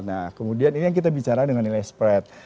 nah kemudian ini yang kita bicara dengan nilai spread